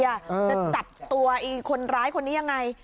จะจับตัวคนร้ายคนนี้ยังไง